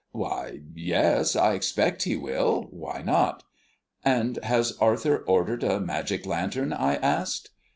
"Why, yes, I expect he will. Why not?" "And has Arthur ordered a magic lantern?" I asked.